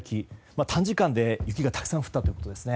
短時間で雪がたくさん降ったということですね。